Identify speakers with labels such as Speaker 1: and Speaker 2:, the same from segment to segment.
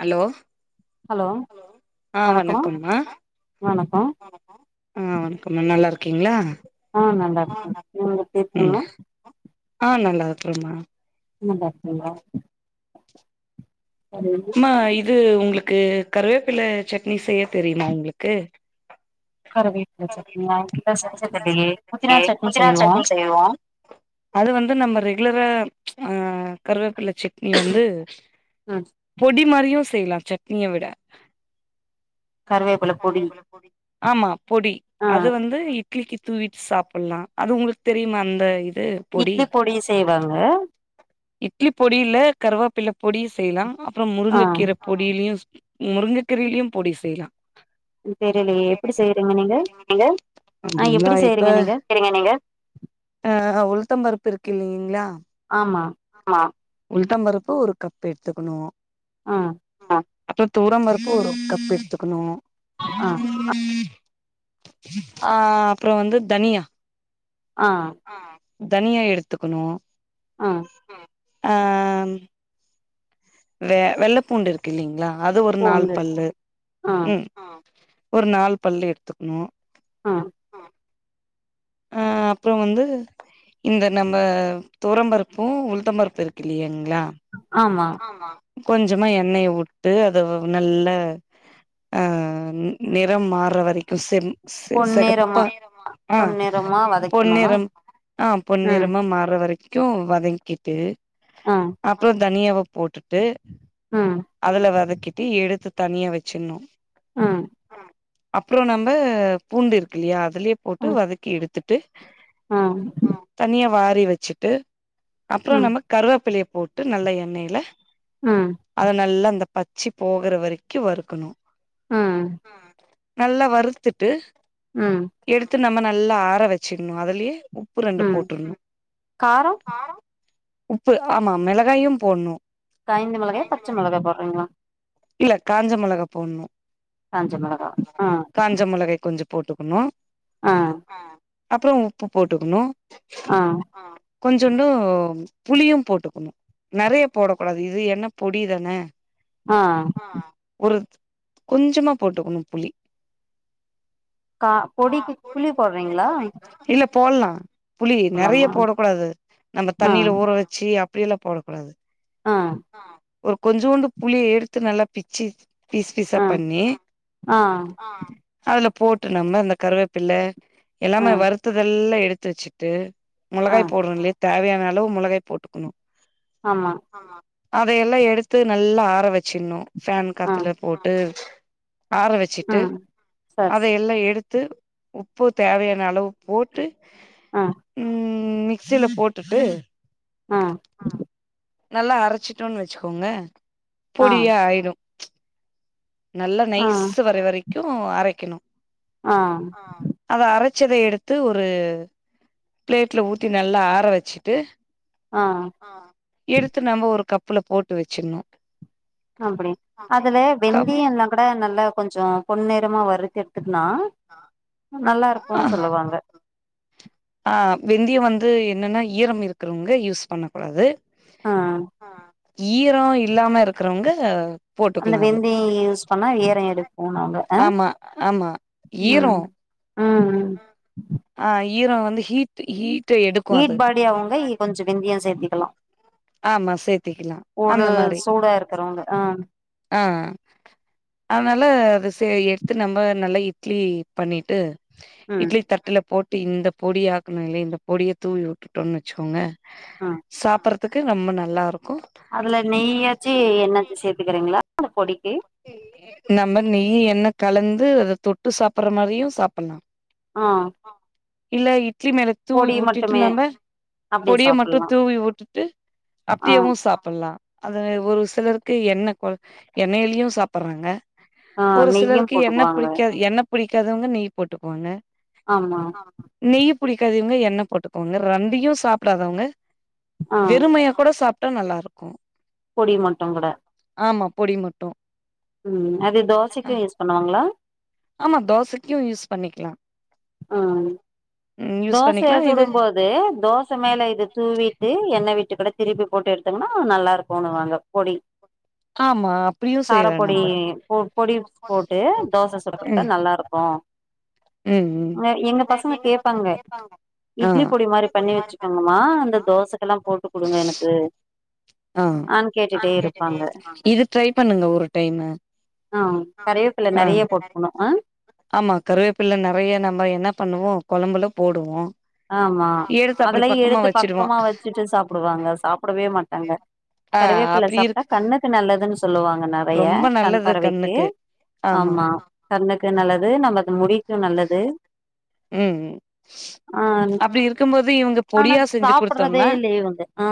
Speaker 1: Hello hello அ
Speaker 2: வணக்கம்
Speaker 1: வணக்கம்மா
Speaker 2: வணக்கம்
Speaker 1: அ வணக்கம் நல்லா இரு ஓகேங்ளா
Speaker 2: அ நா நல்லா இருக்க நீ எப்டி இருக்கீங்க
Speaker 1: அ நல்லா இருக்கே மா
Speaker 2: இன்ன பண்றிங்க
Speaker 1: மா இது உங்ளுக் கு கருவேப்பில சட்னி செய்ய தெரியுமா உங்ளுக்கு
Speaker 2: கருவேப்பில சட்னியா என்கிட்ட செஞ்சதில்லையே புதினா சட்னி
Speaker 1: புதினா
Speaker 2: செய்வோ
Speaker 1: சட்னி செய்வோ அது வந்து நம்ம ரெகுலரா அ கருவேப்பில்ல சட்னி வந்து
Speaker 2: ம்
Speaker 1: பொடி மாரியு செய் செய்லா சட்னிய விட கருவேப்பில பொடி ஆமா பொடி
Speaker 2: ஆ
Speaker 1: அது வந்து இட்லிக்கு தூவிடு சாப்டலா அது உங்ளுக்கு தெரியுமா அந்த இது பொடி
Speaker 2: இட்லி செய்வாங்க
Speaker 1: இட்லி பொடி ல கருவேப் பில்ல பொடி செய்லா அப்புறம்
Speaker 2: ஆ
Speaker 1: முருங்கக்கீர பொடிலியு முருங்கக்கீரையிலியு பொடி செய்லா
Speaker 2: தெரிலியே எப்பிடி செய்றிங்க
Speaker 1: நீங்க அப்டிங்களா இப்ப
Speaker 2: செய்றீங்க நீங்க
Speaker 1: [unintelligible] அ உளுந் உளுத்தம் பருப்பு இருக்கு இல்லிங்ளா
Speaker 2: ஆமா
Speaker 1: உளுத்த பருப்பு ஒரு கப் எடுத்துக்குணு
Speaker 2: ஆ
Speaker 1: அப்றம் துவரம் பருப்பு ஒரு கப் எடுத்துக்கணு
Speaker 2: ஆ
Speaker 1: அ அப்றம் வந்து தனியா
Speaker 2: அ
Speaker 1: தனியா எடுத்துக்குணு
Speaker 2: ஆ
Speaker 1: அ வெ வெள்ள பூண்டு இருக்கு இல்லிங்களா அது ஒரு நால்
Speaker 2: பூண்டு
Speaker 1: பல்லு
Speaker 2: ஆ
Speaker 1: ம் ஒரு நாலு பல்லு எடுத்துக்குணு
Speaker 2: ஆ
Speaker 1: அப்றம் வந்து இந்த நம்ம துரம்பருப்பும் உளுதம்பருப்பு இருக்குல்லியா
Speaker 2: ஆமா
Speaker 1: கொஞ்சமா எண்ணெய வுட்டு அத வந் நல்ல அ நிறம் மாற்ற வரைக் செ செ
Speaker 2: பொன்னிறமா
Speaker 1: செகப்பா அ
Speaker 2: பொன்னிறமா வதக்கணுமா
Speaker 1: பொன்னிறம் அ
Speaker 2: ம்
Speaker 1: பொன்னிறமா மாற்ற வரைக்கு வதக் கிட்டு
Speaker 2: ஆ
Speaker 1: அப்றம் தனியாவ போட்டுட்டு
Speaker 2: ம்
Speaker 1: அதுல வதக் கிட்டு எடுத்து தனியா வெச்சிண்ணு
Speaker 2: ம்
Speaker 1: அப்ற நம்ம பூண்டு இருக்குலையா அதுலயே போட்டு
Speaker 2: ம்
Speaker 1: வதக்கி எடுத்துட்டு
Speaker 2: ம்
Speaker 1: தனியா வாரி வச்சுட்டு அப்றம்
Speaker 2: ம்
Speaker 1: நம்ம கருவாப்பிள்ளைய போட்டு நல்ல எண்ணெயில
Speaker 2: ம்
Speaker 1: அத நல்லா அந்த பச்சு போகிற வரைக்கு வறுக்கணு
Speaker 2: ஆ ஆ
Speaker 1: நல்லா வறுத்துட்டு
Speaker 2: ம்
Speaker 1: எடுத்து நம்ம நல்லா ஆற வச்சுணு அதுலயே உப்பு ரெண்டு
Speaker 2: ம்
Speaker 1: போட்ருணு
Speaker 2: கார
Speaker 1: உப்பு ஆமா மிளகாயும் போட்ணு
Speaker 2: காய்ந்த மொளகாயா பச்சை மொளகா போடுறீங்களா
Speaker 1: இல்ல காஞ்ச மொளகா போட்ணு
Speaker 2: காஞ்ச மிளகா ஆ
Speaker 1: காஞ்ச மொளகை கொஞ்ச போட்டுக்கணு
Speaker 2: ஆ
Speaker 1: அப்புற உப்பு போட்டுக்கணு
Speaker 2: ஆ
Speaker 1: கொஞ்சண்டு புளியு போட்டுக்கணு நறைய போடக்க கூடாது இது என்ன பொடிதானே
Speaker 2: ஆ
Speaker 1: ஒரு கொஞ்சமா போட்டுக்கணு புளி
Speaker 2: கா பொடிக்கு புளி போடுறீங்களா
Speaker 1: இல்ல போட்லா புளி நறையா
Speaker 2: சொல்லாமா
Speaker 1: போடக்கூடாது நம்ம
Speaker 2: ஆ
Speaker 1: தண்ணியில ஊற வச்சு அப்படியல்லா போடக்கூடாது
Speaker 2: ஆ
Speaker 1: ஒரு கொஞ்சோண்டு புளிய எடுத்து நல்லா பிச்சு பீஸ் பீஸா
Speaker 2: ஆ
Speaker 1: பண்ணி
Speaker 2: ஆ
Speaker 1: அதுல போட்டு நம்ம இந்த கருவேப்பில
Speaker 2: ஆ
Speaker 1: எல்லாமே வருத்துதெல்லா எடுத்து வச்சுட்டு
Speaker 2: ஆ
Speaker 1: மொளகாய் போடுறங்லையே தேவையான அளவு மொளகாய போட்டுக்கணு
Speaker 2: ஆமா
Speaker 1: அதையெல்லா எடுத்து நல்லா ஆற வச்சின்ணு ஃபேன்
Speaker 2: ஆ
Speaker 1: காத்துல போட்டு ஆற வச்சிட்டு
Speaker 2: ம் சரி சரி
Speaker 1: அதையெல்லா எடுத்து உப்பு தேவையான அளவு போட்டு
Speaker 2: ஆ
Speaker 1: ம் மிக்சியில போட்டுட்டு
Speaker 2: ஆ
Speaker 1: நல்லா அரைச்சிட்டோன்னு வச்சுக்கோங்க
Speaker 2: ஆ
Speaker 1: பொடியா ஆயிடு நல்ல
Speaker 2: ஆ
Speaker 1: நைஸ் வர வரைக்கு அரைக்கணு
Speaker 2: ஆ
Speaker 1: அத அரை ச்சதை எடுத்து ஒரு பிளேட்ல ஊத்தி நல்லா ஆற வச்சிட்டு
Speaker 2: ஆ
Speaker 1: அ எடுத்து நம்ம ஒரு கப்ல போட்டு வச்சிருணு
Speaker 2: அப்டி அதுல வெந்தியம் எல்லா கூட நல்லா கொஞ்ச பொன் நிற மா நேரமா வருறுத்து எடுத்து னா நல்லா இருக்கும்ன்னு சொல்லுவாங்க
Speaker 1: ஆ வெந்தியம் வந்து என்னென்னா ஈரம் இருக்கிறவங்க யூஸ் பண்ணக்கூடாது
Speaker 2: ஆ
Speaker 1: ஆ ஈர இல்லாம இருக்கிறவங்க
Speaker 2: அந்த
Speaker 1: போட்டுக்கலா அது
Speaker 2: வெந்தியூ யூஸ் பண்ணா ஏரம் எடுப்போ நாங்க
Speaker 1: ஆமா ஆமா ஈரோ
Speaker 2: ம் ம் ம்
Speaker 1: ஈர வந்துஹீட்டு ஹுட்
Speaker 2: ஈட்பாடி அவங்க கொஞ்ச விந்தயம் சேர்த்துக்கலா
Speaker 1: ஆமா சேத்திக்கலா அந்த
Speaker 2: உடல்
Speaker 1: மாதிரிி
Speaker 2: சூடா இருக்கிறவங்க ஆ
Speaker 1: ஆ ஆ அதனால ச எடுத்து நம்ம நல்லா இட்லி பண்ணிட்டு
Speaker 2: ம்
Speaker 1: இட்லி தட்டுல போட் இந்த பொடி ஆக்கணு இல்லைய இந்த பொடிய தூவி உட்டுட்டோன்னு வச்சோங்க
Speaker 2: ம்
Speaker 1: சாப்ப றதுக்கு நம்ம நல்லா இருக்கு
Speaker 2: அதுல நெய்யாச்சு என்னாச்சு சேர்த்துக்கறீங்களா அந்த பொடிக்கு
Speaker 1: நம்ம நீெயும் என்ன கலந்து அத தொட்டு சாப்பிடுற மாரியு சாப்டலா
Speaker 2: ஆ
Speaker 1: இல்ல இட்லி மேலத்
Speaker 2: பொடி
Speaker 1: தூவிட்டிட்டு
Speaker 2: மட்டுமே
Speaker 1: நம
Speaker 2: அப்டியே
Speaker 1: பொடிய மட்டு
Speaker 2: சாப்புட்லா
Speaker 1: தூவி விட்டுட்டு
Speaker 2: ஆ
Speaker 1: அப்படியவு சாப்பிடலா அது ஒரு சிலருக்கு எண்ண கொ எண்ணெய்லயு சாப்பறாங்க
Speaker 2: ஆ
Speaker 1: ஒரு
Speaker 2: நெய்யு
Speaker 1: சிலருக்கு என்ன
Speaker 2: போட்டுக்குவாங்க
Speaker 1: பிடிக்காது என்ன பிடிக் காதவங்க நெய் போட்டுக்குவாங்க
Speaker 2: ஆமா
Speaker 1: நெய் ய் பிடிக்காதவாங்க எண்ண போட்டுக்கவாங்க ரெண்டையு சாப்படாதவங்க
Speaker 2: ஆ
Speaker 1: வெறுமையா கூட சாப் மட்ட நல்லாருக்கு
Speaker 2: பொடி மட்டு கூட
Speaker 1: ஆமா பொடி மட்டு
Speaker 2: ம் அது தோசைக்கு யூஸ் பண்ணுவாங்களா
Speaker 1: ஆமா தோசைக்கு யூஸ் பண்ணிக்கலா ம் யூஸ்
Speaker 2: தோசை
Speaker 1: பண்ணிக்கலா இது
Speaker 2: சுடும் போது தோச மேல இது தூவிட்டு எண்ணெ விட் விட்டுக்கிட்ட திருப்பி போட்டு எடுத்தங்கன்னா நல்லா இருக்கும்னுவாங்க பொடி
Speaker 1: ஆமா அப்டியு செய்யலா
Speaker 2: காரப்பொடி
Speaker 1: நம்ப
Speaker 2: பொடி போட்டு தோச
Speaker 1: ம்
Speaker 2: சுடுறது நல்லாருக்கு ம் எங்க பசங்க கேப்பாங்க
Speaker 1: ஆ
Speaker 2: இட்லி பொடி மாரி பண்ணி வச்சுக்கோங்கம்மா அந்த தோசைக்கெல்லா போட்டு குடுங்க எனக்கு
Speaker 1: ஆ
Speaker 2: நானு கேட்டுட்டே இருப்ப
Speaker 1: இது ட்ரை பண்ணுங்க ஒரு டைமு
Speaker 2: கருவேப்பிள்ள
Speaker 1: ஆ
Speaker 2: நெறைய போட்டுக்கணு ஆ
Speaker 1: ஆமா கருவேப்பல்ல நெறைய நம்ம என்னா பண்ணுவோ கொழம்புல போடுவோ
Speaker 2: ஆமா
Speaker 1: எடுத்து அப்டி
Speaker 2: அதுலயு
Speaker 1: பக்கமா
Speaker 2: எடுத்து
Speaker 1: வச்சிடுவோ
Speaker 2: பக்கமா வச்சுட்டு சாப்டுவாங்க சாப்டவே மாட்டாங்க
Speaker 1: ஆ
Speaker 2: கருவேப்பில
Speaker 1: அப்டி
Speaker 2: சாப்ட்டா
Speaker 1: இருக்கு
Speaker 2: கண்ணுக்கு நல்லதுன்னு சொல் நெறைய
Speaker 1: ரொம்ப
Speaker 2: கண்
Speaker 1: நல்லது
Speaker 2: பார்வைக்கு
Speaker 1: கண்ணுக்கு
Speaker 2: ஆமா கண்ணுக்கு நல்லது நமக்கு முடி க்கு நல்லது
Speaker 1: ம் ம்
Speaker 2: ஆ
Speaker 1: அப்டி இருக்கும்போது இவங்க
Speaker 2: ஆனா
Speaker 1: பொடியா செஞ்சு
Speaker 2: சாப்டுறதே
Speaker 1: குடுத்தோம்னா
Speaker 2: இல்ல இவங்க ஆ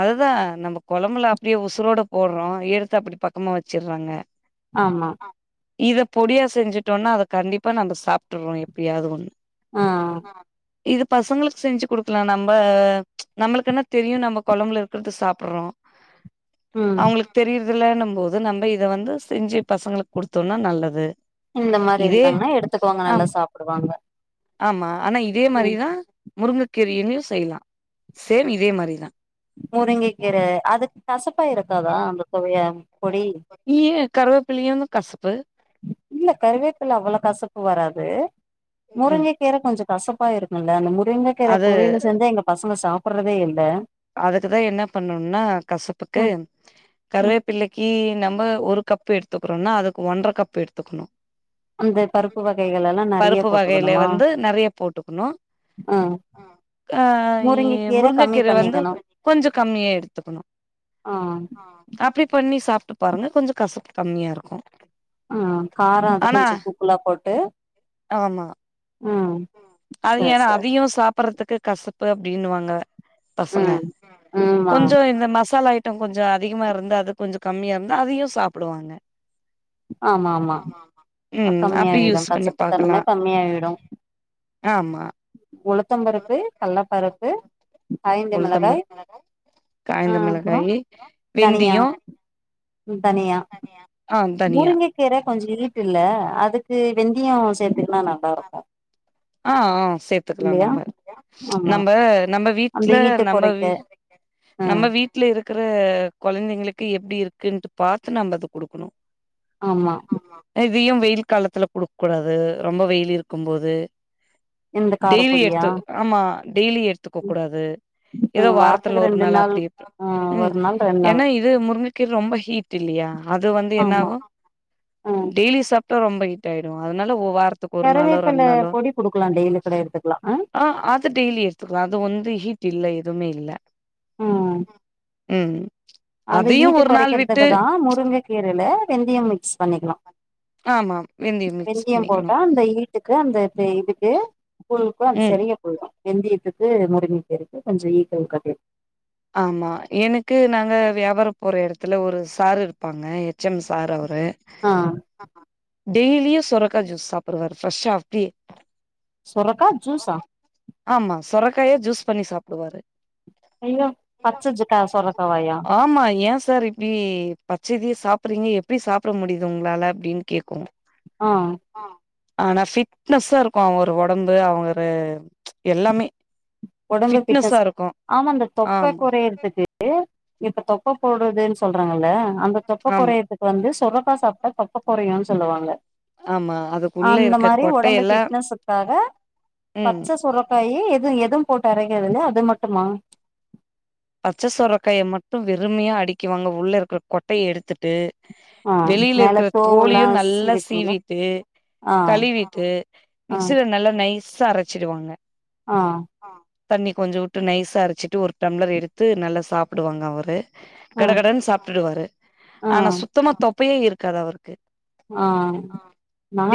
Speaker 1: அதுதா நம்ம கொழம்புல அப்டியே உசுரோட போடுறோ எடுத்து அப்படி பக்கமா வச்சடுறாங்க
Speaker 2: ஆமா
Speaker 1: இத பொடியா செஞ்சுட்டோனா அத கண்டிப்பா நம்ம சாப்பிட்டுறோ எப்டியாவது ஒன்னு
Speaker 2: ஆ
Speaker 1: இது பசங்களுக்கு செஞ்சு குடுக்கலா நம்ப நம்மளுக்கு என்ன தெரியு நம்ம கொழம்புல இருக்கிறது சாப்பறோ
Speaker 2: ம்
Speaker 1: அவங்களுக்கு தெரியுதுலன்னு போது நம்ம இத வந்து செஞ்சு பசங்களுக்கு குடுத்தோனா நல்லது
Speaker 2: இந்த மாரி
Speaker 1: இதே
Speaker 2: இருந்தாங்கன்னா எடுத்துக்கவாங்க நல்லா
Speaker 1: ஆம்
Speaker 2: சாப்டுவாங்க
Speaker 1: ஆமா ஆனா இதே மாரிதா முருங்கக்கீரையுமே செய்யலா சேம் இதே மாரிதா
Speaker 2: முருங்க கீர அதுக்கு கசப்பா இருக்காதா அந்த சுவைய பொடி
Speaker 1: ஏ கருவேப்பிலையு தா கசப்பு
Speaker 2: இல்ல கருவேப்பில அவ்வள கசப்பு வராது
Speaker 1: ம்
Speaker 2: முருங்கை கீர கொஞ்ச கசப் அப்பா இருக்குல்ல அந்த முருங்க கீற
Speaker 1: அது
Speaker 2: பொறில செஞ்சா எங்க பசங்க சாப்படறதே இல்ல
Speaker 1: அதுக்குதா என்னா பண்ணுன்னா கசப்புக்கு கருவேப்பில்லைக்கு நம் ம ஒரு கப்பு எடுத்துக்கிறோம்னா அதுக்கு ஒன்றரை கப் எடுத்துக்கணு
Speaker 2: அந்த பருப்பு வகைகள் எல்லா நெறைய
Speaker 1: பருப்பு வகையில
Speaker 2: போட்டுக்கணுமா
Speaker 1: வந்து நெறைய போட்டுக்கணு
Speaker 2: ஆ
Speaker 1: ஆ இ
Speaker 2: முருங்கை கீர கம்மி
Speaker 1: முருங்கக்கீர வந்து
Speaker 2: பண்ணிக்கணு
Speaker 1: கொஞ்ச கம்மியா எடுத்துக்கணு
Speaker 2: ஆ
Speaker 1: அப்டி பண்ணி சாப் ட்டு பாருங்க கொஞ்ச கசப்பு கம்மியா இருக்கு
Speaker 2: ஆ கார அது
Speaker 1: ஆனா
Speaker 2: கொஞ்ச தூக்கலா போட்டு
Speaker 1: ம் அது
Speaker 2: சரி
Speaker 1: ஏன்னா
Speaker 2: சரி
Speaker 1: அதையு சாப்புறதுக்கு கசப்பு அப்டினுவாங்க பசங்க
Speaker 2: ம் ஆமா
Speaker 1: கொஞ்ச இந்த மசாலா ட்ட கொஞ்ச அதிகமா இருந்த அது கொஞ்ச கம்மியா இருந்தா அதையு சாப்டுவாங்க
Speaker 2: ஆமா ஆமா
Speaker 1: ம் அப்டி யூஸ்
Speaker 2: கம்மியாயிடும்
Speaker 1: பண்ணி
Speaker 2: கசப்பு
Speaker 1: பாக்கலா
Speaker 2: தன்ம கம்மியாயிடும்
Speaker 1: ஆமா
Speaker 2: உளுத்தம் பருப்பு கள்ளப்பருப்பு காய்ந்த மிளகாய்
Speaker 1: உளுத்தம்பரு
Speaker 2: ஆ
Speaker 1: காய்ந்த
Speaker 2: அப்றோ
Speaker 1: மிளகாய்
Speaker 2: தனியா
Speaker 1: வெந்தியோ ஆ தனியா
Speaker 2: முருங்க கீர கொஞ்சோ ஹீட்டுல்ல அதுக்கு வெந்தியோ சேத்துக்குனா நல்லா இருக்கு.
Speaker 1: ஆ ஆ சேத்துக்லா
Speaker 2: இல்லையா
Speaker 1: நம்ப
Speaker 2: ஆமா
Speaker 1: நம்ப நம்ம
Speaker 2: அந்த
Speaker 1: வீட்ல
Speaker 2: ஈட்ட
Speaker 1: நம்ம
Speaker 2: கொறைக்க
Speaker 1: வீ
Speaker 2: ம்
Speaker 1: நம்ம வீட்ல இருக்குற கொழந்தேங்களுக்கு எப்டி இருக் குன்ட்டு பாத்து நம்ப அத குடுக்குணு
Speaker 2: ஆமா
Speaker 1: ஏ இதையு வெயில் காலத்துல குடுக்க கூடாது. ரொம்ப வெயில் இருக்கும் போது
Speaker 2: இந்த
Speaker 1: டெய்லி
Speaker 2: காரப்பொடியா
Speaker 1: எடுத்து ஆமா டெய்லி எடுத்துக்க கூடாது. எதோ
Speaker 2: ம்
Speaker 1: வாரத்துல
Speaker 2: வாரத்துக்கு
Speaker 1: ஒரு
Speaker 2: ரெண்டு
Speaker 1: நாள் அப்டி இப்
Speaker 2: ஆ
Speaker 1: ம்
Speaker 2: ஒரு நாள் ரெண்டு நாள்
Speaker 1: ஏனா இது முருங்ககீர ரொம்ப ஹீட் இல்லீயா. அது வந்து என்ன
Speaker 2: ஆமா
Speaker 1: ஆகு
Speaker 2: ம்
Speaker 1: டெய்லி சாப்டா ரொம்ப ஹீட் ஆயிடு. அதுனால ஒ வார ரத்துக்கு ஒரு நாளோ
Speaker 2: கருவேப்பில
Speaker 1: ரெண்நாளோ
Speaker 2: பொடி குடுக்கலா டெய்லி கூட எடுத்துக்கலா ஆ
Speaker 1: அ அது டெய்லி எடுத்துக்லா அதுவொந்து ஹீட் ட்டு இல்ல எதுமே இல்ல
Speaker 2: ம்
Speaker 1: ம்
Speaker 2: அந்த
Speaker 1: அதையு
Speaker 2: ஹீட்டு
Speaker 1: ஒரு நாள் விட்டு
Speaker 2: கொறக்கிறதுக்குதா முருங்க கீரல வெந்தயம் மிக்ஸ் பண்ணிக்லா.
Speaker 1: ஆமா வெந்தயம் மிக்ஸ்
Speaker 2: வெந்தியம்
Speaker 1: பண்ணிக்கணு
Speaker 2: போட்டா அந்த ஹீட்டுக்கு அந்த ந்த இதுக்கு கூழ்க்கு அது
Speaker 1: ம்
Speaker 2: செறியா போய்டு வெந்தியத்துக் வந்து [unintelligible] இருக்கு கொஞ்சோ [unintelligible]
Speaker 1: ஆமா எனக்கு நாங்க வியாபாரோ போற எடத்துல ஒரு சார் இருப்பாங்க. எச் எம் சார் அவர் வ
Speaker 2: ஆ
Speaker 1: டெய்லியு சொரக்கா ஜூஸ் சாப்புடுவாரு ஃப்ரஷ்ஷா அப்டியே
Speaker 2: சொரக்கா ஜூஸா
Speaker 1: க்காய ஜூஸ் பண்ணி சாப்டுவாரு.
Speaker 2: ஐயோ பச்ச ஜக்கா சொரக்காவாயா
Speaker 1: ஆமா ஏ சார் இப்டி பச்ச இதயே சாப்புறீங்க எப்டி சாப்ட முடியுது உங்ளால அப்டினு கேக்கு
Speaker 2: ஆ
Speaker 1: ஆனா ஃபிட்னஸ்ஸா இருக்கு அவரு ஒடம்பு அவங்கரு எல்லாமே
Speaker 2: ஒடம்பு
Speaker 1: ஃபிட்னஸா
Speaker 2: ஃபிட்னஸ்
Speaker 1: இருக்கும்.
Speaker 2: ஆமா அந்த தொப்ப
Speaker 1: ஆமா,
Speaker 2: கொறையுறதுக்கு இப்ப தொப்ப போடுறதுனு சொல்றாங்கல்ல அந்த தொப்ப
Speaker 1: ஆமா,
Speaker 2: கொறையுறதுக்கு வந்து சொரக்கா சாப்ட்டா தொப்ப கொறையுனு சொல்லுவாங்க
Speaker 1: ஆமா. அதுக்குள்ள
Speaker 2: அந்த
Speaker 1: இருக்க
Speaker 2: மாரி ஒடம்பு
Speaker 1: கொட்டையெல்லாம்
Speaker 2: ஃபிட்னஸுக்காக
Speaker 1: ம்.
Speaker 2: பச்சை சொரக்காயே எது எதுவும் போட்டு அரைக்கறதில்ல அது மட்டுமா?
Speaker 1: பச்ச சொரக்காய மட்டு வெறுமையா அடிக்குவாங்க உள்ள இருக்குற கொட்டைய எடுத்துட்டு
Speaker 2: ஆ
Speaker 1: வெளில
Speaker 2: மேல
Speaker 1: இருக்குற
Speaker 2: தோவுல்லா
Speaker 1: தோழையு நல்லா
Speaker 2: சீவிட்டுங்களா
Speaker 1: சீவிட்டு
Speaker 2: ஆ
Speaker 1: கழுவீட்டு
Speaker 2: ஆ
Speaker 1: மிக்சில நல்லா நைஸா அறச்சிருவாங்க.
Speaker 2: ஆ
Speaker 1: தண்ணி கொஞ்சோ வுட்டு நைஸா அரச்சிட்டு ஒரு டம்ளர் எடுத்து நல்லா சாப்புடுவாங்க அவரு
Speaker 2: ஆ
Speaker 1: கடகடன்னு சாப்புட்டுருவாரு
Speaker 2: ஆ
Speaker 1: ஆனா சுத்தமா தொப்பையே இருக்காது. அவருக்கு
Speaker 2: ஆ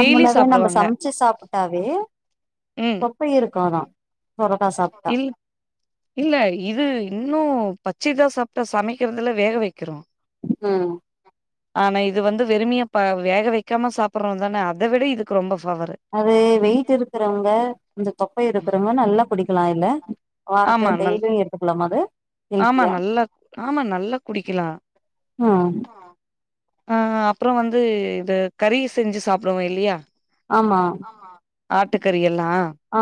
Speaker 1: டெய்லி
Speaker 2: நம்ம
Speaker 1: சாப்டுவாங்க
Speaker 2: சமச்சு சாப்புட்டாவே
Speaker 1: ம்
Speaker 2: தொப்ப இருக்காதா சொரக்கா சாப்ட்டா.
Speaker 1: இல் இல்ல இது இன்னு பச்சைதா சாப்ட்டா சமைக்கறதுல வேக வைக்கிறோ.
Speaker 2: ம்
Speaker 1: ஆனா இது வந்து வெறுமையா ப வேக வெக்காம சாப்புட்றோ தான அத விட இதுக்கு ரொம்ப ஃபவரு
Speaker 2: அது வெயிட் இருக்குறவுங்க, இந்த தொப்ப இருக்குறவுங்க நல்லா குடிக்கலா இல்ல வாரத்த
Speaker 1: ஆமா நல்
Speaker 2: டெய்லியு எடுத்துக்கலாமா அது
Speaker 1: ஆமா
Speaker 2: ஹெல்த்தியா
Speaker 1: நல்ல ஆமா நல்லா குடிக்கலா.
Speaker 2: ம்
Speaker 1: அ அப்பறோ வந்து இத கறி செஞ்சு சாப்டுவோ இல்லியா
Speaker 2: ஆமா
Speaker 1: ஆட்டுக்கறி எல்லா
Speaker 2: ஆ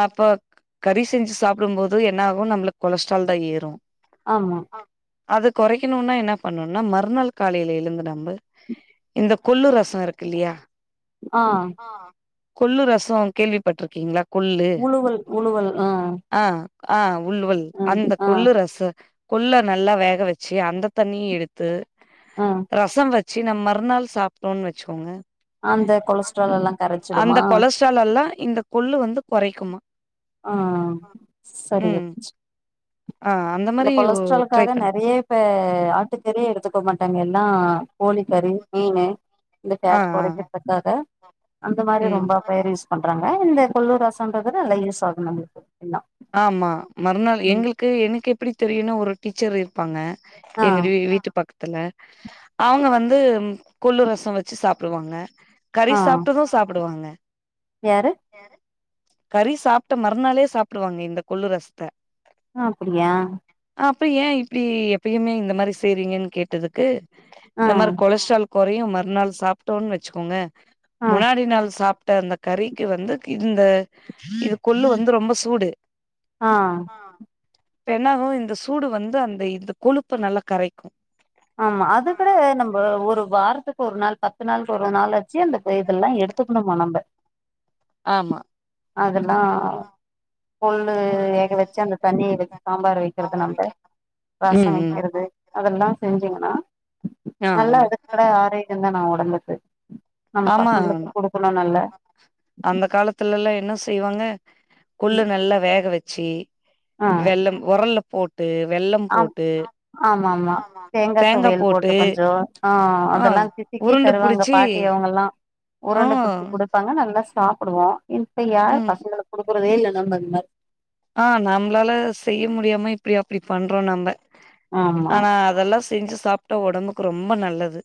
Speaker 1: அப்ப கறி செஞ்சு சாப்டும் போது என்ன ஆகு நம்மளுக்கு கொலஸ்ட்ரால்தா ஏறு
Speaker 2: ஆமா
Speaker 1: அத கொறைக்கணுனா என்ன பண்ணுன்னா மறுநாள் காலைல எழுந்து நம்ப இந்த கொல்லு ரசோ இருக்கில்லியா
Speaker 2: அ
Speaker 1: கொல்லு ரசோ கேள்விப்பட்ருக்கீங்ளா? கொள்ளு
Speaker 2: உழுவல் உழுவல் ஆ
Speaker 1: அ அ உள்வல்
Speaker 2: ஆ
Speaker 1: அந்த
Speaker 2: ஆ
Speaker 1: கொள்ளு ரசு கொள்ள நல்லா வேக வெச்சு அந்த தண்ணி எடுத்து
Speaker 2: ஆ
Speaker 1: ரசம் வச்சி நம் மறுநாள் சாப்டோன் வச்சுக்கோங்க
Speaker 2: அந்த கொலஸ்ட்ரால் எல்லா
Speaker 1: [inaudible] அந்த
Speaker 2: கரைச்சிடுமா
Speaker 1: கொலஸ்ட்ரால் எல்லா இந்த கொள்ளு வந்து கொறைக்குமா
Speaker 2: அ [unintelligible]
Speaker 1: ம் ஆ அந்த
Speaker 2: இந்த
Speaker 1: மாரி ட்ரை
Speaker 2: கொலஸ்ட்ராலுக்காக
Speaker 1: பண்ணு
Speaker 2: நெறைய இப்ப ஆட்டுக்கறி எடுத்துக்க மாட்டாங்க எல்லா கோழிக்கறி மீனு இந்த
Speaker 1: ஆ
Speaker 2: ஃபேட்
Speaker 1: ஆ
Speaker 2: கொறைக்கிற்துக்காக அந்த மாரி
Speaker 1: ம்
Speaker 2: ரொம்ப பேரு யூஸ் பண்றாங்க இந்த கொள்ளு ரசம்ன்றதது [unintelligible]
Speaker 1: ஆம்மா மறுநாள் எங்களுக்கு எனக்கு எப்படி தெரியுனா ஒரு டீச்சர் இருப்பாங்க
Speaker 2: ஆ
Speaker 1: எங்க வீ வீ வீட்டு பக்க த்துல அவுங்க வந்து ம் கொள்ளு ரசோ வெச்சி சாப்டுவாங்க
Speaker 2: ஆ
Speaker 1: கறி சாப்ட்டது சாப்புடுவாங்க
Speaker 2: யாரு
Speaker 1: கறி சாப்ட்ட மறுநாளே சாப்டுவாங்க இந்த கொள்ளு ரசத்த
Speaker 2: அ அப்படியா
Speaker 1: அப்ப ஏ இப்டி எப்பயுமே இந்த மாரி செய்றீங்கன் கேட்டதுக்கு
Speaker 2: ஆ
Speaker 1: இந்த மாரி கொலஸ்ட்ரால் கொறையு மறுநாள் சாப்ட்டோன் வெச்சுக்கோங்க
Speaker 2: ஆ
Speaker 1: முன்னாடி நாள் சாப் ட்ட அந்த கறிக்கு வந்து இந்த இது கொள்ளு வந்து ரொம்ப சூடு
Speaker 2: ஆ
Speaker 1: இப் என்னாகு இந்த சூடு வந்து அந்த இந்த கொழுப்ப நல்லா கரைக்கு
Speaker 2: ஆமா அது கூட நம்ப ஒரு வாரத்துக் ஒரு நாள் பத்து நாளுக் ஒரு நாளுக் ச்சி இந்த இதெல்லா எடுத்துக்ணுமா நம்ப
Speaker 1: ஆமா
Speaker 2: அதெல்லா கொள்ளு வேக வெச்சி அந்த தண்ணிய வெ சாம்பார வைக்கறதுனால ரசோ
Speaker 1: ம் ம்
Speaker 2: வெக்கிறது அதெல்லா செஞ்சீங்கன்னா
Speaker 1: ஆ ஆ
Speaker 2: நல்லா அதுக்கட ஆரோக்கியந்தானா ஒடம்பக்கு
Speaker 1: ஆமா [inaudible] அந்த காலத்துலெல்லா என்ன செய்வாங்க கொள்ளு நல்லா வேக வெச்சி
Speaker 2: ஆ
Speaker 1: வெள்ளம் ஒரல்ல போட்
Speaker 2: ஆ ஆமா ஆமா தேங்கா துவையல் போட்டு கொஞ்சோ அ
Speaker 1: ஆ
Speaker 2: அதெல்லா சிசுக்கி
Speaker 1: உருண்ட
Speaker 2: தருவாங்க
Speaker 1: புடிச்சி
Speaker 2: பாட்டி அவுங்கெல்லா
Speaker 1: ஆ
Speaker 2: உருண்ட புட்ச்சி குடுப்பாங்க நல்லா சா சாப்பிடுவோம் இப்ப யாரு
Speaker 1: ம்
Speaker 2: பசங்களுக்கு கொடுக்குறதே இல்லை நம்ம
Speaker 1: அ நம்ப்ளால செய்ய முடியாம இப்டி அப்டி பண்றோ நம்ப
Speaker 2: ஆமா
Speaker 1: ஆனா அதெல்லா செஞ்சு சாப்ட்டா ஒடம்புக்கு ரொம்ப நல்லது